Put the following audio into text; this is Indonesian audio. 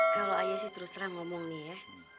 kalau ayah sih terus terang ngomong nih ya